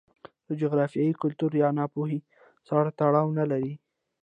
له جغرافیې، کلتور یا ناپوهۍ سره تړاو نه لري.